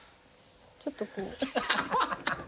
ちょっとこう。